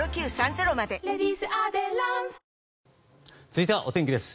続いてはお天気です。